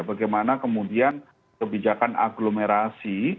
bagaimana kemudian kebijakan agglomerasi